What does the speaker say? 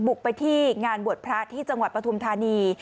บุกไปที่งานวัดพระที่จังหวัดพลฑัฒร์ทานี